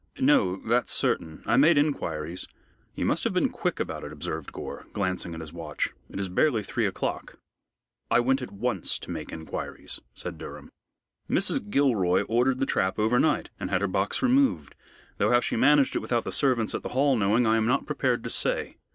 "No, that's certain. I made inquiries " "You must have been quick about it," observed Gore, glancing at his watch. "It is barely three o'clock." "I went at once to make inquiries," said Durham. "Mrs. Gilroy ordered the trap overnight and had her box removed, though how she managed it without the servants at the Hall knowing, I am not prepared to say.